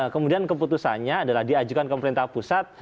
kemudian keputusannya adalah diajukan ke pemerintah pusat